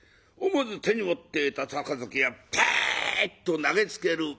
思わず手に持っていた杯をパンと投げつける。